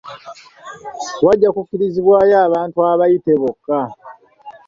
Wajja kukkirizibwayo abantu abayite bokka.